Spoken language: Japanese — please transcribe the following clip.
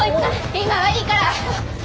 今はいいから！